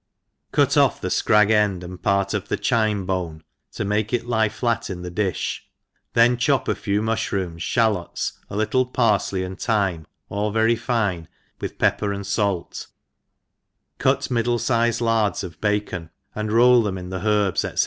CUT off the fcragrcnd and part of the chioe^ bone to make it lie flat in the di(b, then chop a few mufhrooms, flialots, a little parfley and thyme, all very fine, with pepper and fait, cut middle fi^ed lards of bacon, and roll them in the herbs, &c.